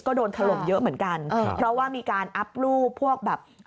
ก็โดนถล่มเยอะเหมือนกันเพราะว่ามีการอัพรูปพวกแบบ